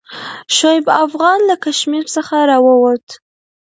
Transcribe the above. شعیب افغان له کشمیر څخه راووت.